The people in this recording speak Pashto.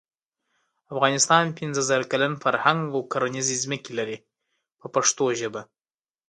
افغانستان پنځه زره کلن فرهنګ او کرنیزې ځمکې لري په پښتو ژبه.